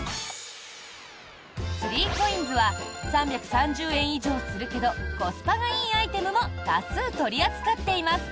３ＣＯＩＮＳは３３０円以上するけどコスパがいいアイテムも多数、取り扱っています。